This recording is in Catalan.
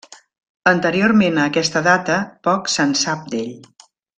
Anteriorment a aquesta data poc se'n sap d'ell.